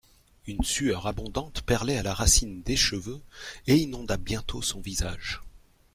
Une sueur abondante perlait à la racine des cheveux et inonda bientôt son visage.